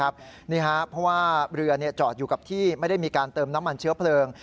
เพราะว่าเรือจอดอยู่กับที่ไม่ได้มีการเติมน้ำมันเชื้อเพลิง